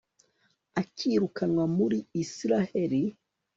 akirukanwa muri israheli